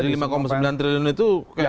jadi lima sembilan triliun itu kayaknya